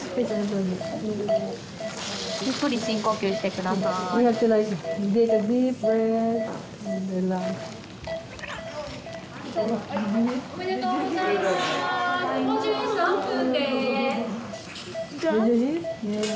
ゆっくり深呼吸してくださいおめでとうございます５３分です